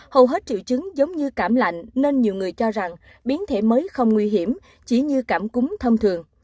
hầu hết triệu chứng giống như cảm lạnh nên nhiều người cho rằng biến thể mới không nguy hiểm chỉ như cảm cúm thông thường